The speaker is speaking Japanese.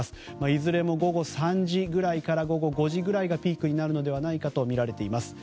いずれも午後３時くらいから５時くらいがピークになるのではないかとみられています。